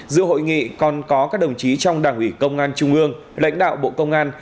giữa hội nghị còn có các đồng chí trong đảng ủy công an trung ương lãnh đạo bộ công an